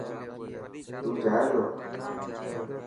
تو جائي تو؟